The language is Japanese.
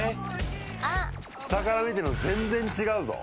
下から見てるのと全然違うぞ。